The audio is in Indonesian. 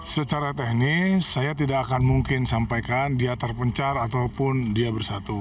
secara teknis saya tidak akan mungkin sampaikan dia terpencar ataupun dia bersatu